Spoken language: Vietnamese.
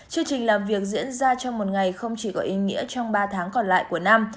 chương trình làm việc diễn ra trong một ngày không chỉ có ý nghĩa trong ba tháng còn lại của năm